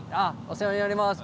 お世話になります。